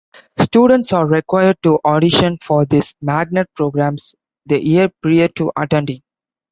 Students are required to audition for these magnet programs the year prior to attending.